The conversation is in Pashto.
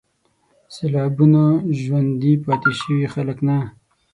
سېلابونو ژوندي پاتې شوي خلک نه